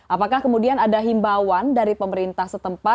apakah kemudian ada himbauan dari pemerintah setempat